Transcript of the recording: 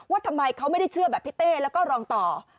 ว่าทำไมเขาไม่ได้เชื่อแบบพี่เต้แล้วก็รองต่อ